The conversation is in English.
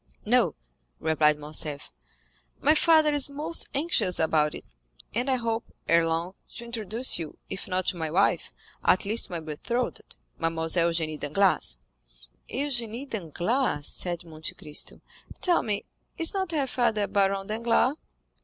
"No," replied Morcerf, "my father is most anxious about it; and I hope, ere long, to introduce you, if not to my wife, at least to my betrothed—Mademoiselle Eugénie Danglars." "Eugénie Danglars," said Monte Cristo; "tell me, is not her father Baron Danglars?"